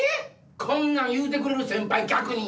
こんなん言うてくれる先輩逆に。